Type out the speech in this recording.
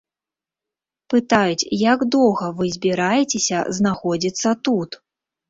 Пытаюць, як доўга вы збіраецеся знаходзіцца тут.